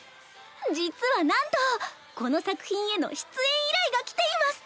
実はなんとこの作品への出演依頼が来ています！